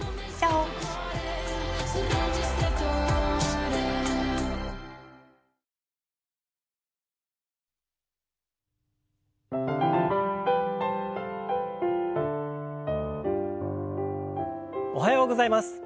おはようございます。